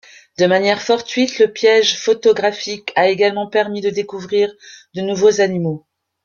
De manière fortuite, le piège photographique a également permis de découvrir de nouveaux animaux.